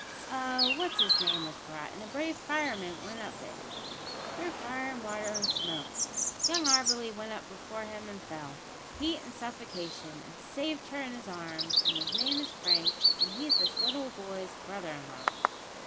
A what's 'is name was brought, and a brave fireman went up it, through fire and water and smoke. Young Auberly went up before him and fell heat and suffocation and saved her in his arms, and his name is Frank, and he's this boy's brother in law!"